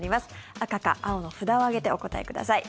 赤か青の札を上げてお答えください。